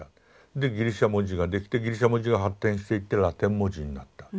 でギリシャ文字ができてギリシャ文字が発展していってラテン文字になった。